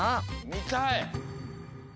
みたい！